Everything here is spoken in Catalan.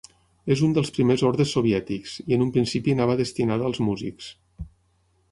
És un dels primers ordes soviètics, i en un principi anava destinada als músics.